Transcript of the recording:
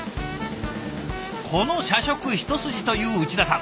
この社食一筋という内田さん。